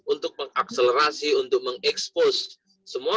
untuk mengakselerasi untuk mengekspos semua